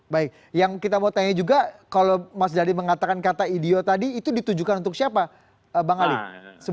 baik yang kita mau tanya juga kalau mas dhani mengatakan kata idio tadi itu ditujukan untuk siapa bang ali